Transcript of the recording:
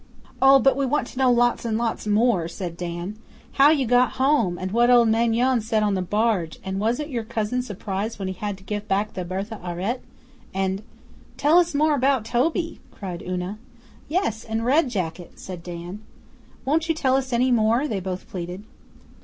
'Oh! but we want to know lots and lots more,' said Dan. 'How you got home and what old Maingon said on the barge and wasn't your cousin surprised when he had to give back the BERTHE AURETTE, and ' 'Tell us more about Toby!' cried Una. 'Yes, and Red Jacket,' said Dan. 'Won't you tell us any more?' they both pleaded.